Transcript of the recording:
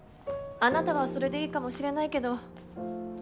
あなたはそれでいいかもしれないけど。